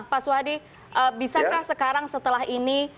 pak suhadi bisakah sekarang setelah ini